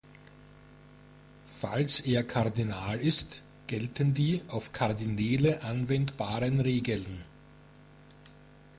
Falls er Kardinal ist, gelten die auf Kardinäle anwendbaren Regeln.